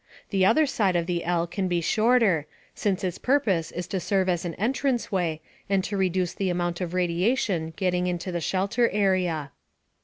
The other side of the L can be shorter, since its purpose is to serve as an entrance way and to reduce the amount of radiation getting into the shelter area.